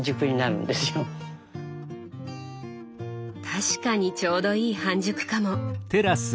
確かにちょうどいい半熟かも。